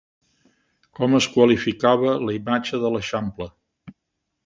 Com es qualificava la imatge de l'eixample?